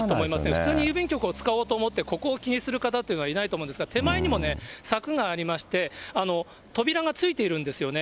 普通に郵便局を使おうと思って、ここを気にする方っていないと思うんですが、手前にもね、柵がありまして、扉がついているんですよね。